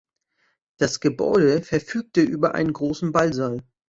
Das Gebäude verfügte über einen großen Ballsaal.